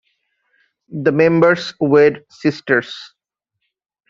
The members were sisters.